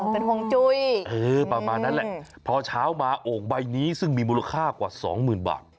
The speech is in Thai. เป็นห่วงจุ้ยเออประมาณนั้นแหละพอเช้ามาโอ่งใบนี้ซึ่งมีมูลค่ากว่าสองหมื่นบาท